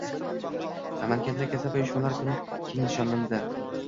Namanganda kasaba uyushmalari kuni keng nishonlanding